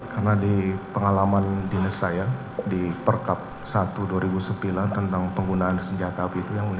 karena di pengalaman dinas saya di perkab satu dua ribu sembilan tentang penggunaan senjata api itu yang mulia